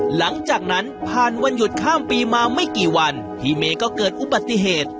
หลังจากนั้นผ่านวันหยุดข้ามปีมาไม่กี่วันพี่เมย์ก็เกิดอุบัติเหตุ